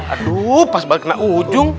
aduh pas balik kena ujung